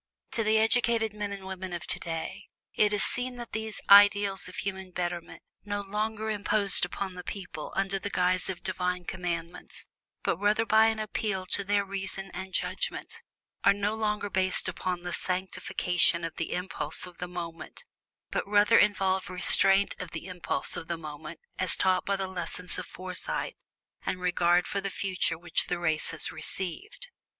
To the educated men and women of today, it is seen that these ideals of human betterment (no longer imposed upon the people under the guise of Divine Commands, but rather by an appeal to their reason and judgment) are no longer based upon the sanctification of the impulse of the moment, but rather involve restraint of the impulse of the moment as taught by the lessons of foresight and regard for the future which the race has received.